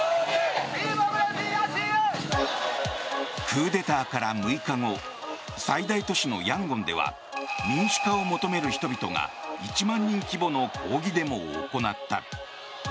クーデターから６日後最大都市のヤンゴンでは民主化を求める人々が１万人規模の抗議デモを行った。